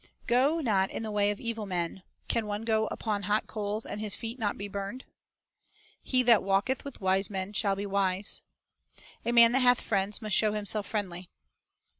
(135, Maxims 136 The Bible as an Educator "Go not in the way of evil men;" "can one go upon hot coals, and his feet not be burned?" 1 "He that walketh with wise men shall be wise.'" "A man that hath friends must show himself friendly.